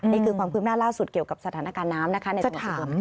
นี่คือความพึ่งหน้าล่าสุดเกี่ยวกับสถานการณ์น้ำนะคะ